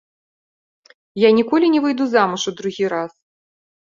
Я ніколі не выйду замуж у другі раз!